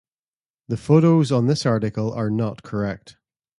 The photos on this article are not correct.